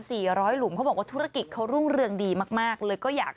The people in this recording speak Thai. ร้อยหลุมเขาบอกว่าธุรกิจเขารุ่งเรืองดีมากมากเลยก็อยาก